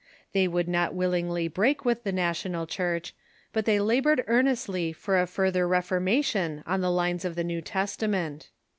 They would not willingly break with the national Church, but they labored earnestly for a further reformation on the lines of the New Testament.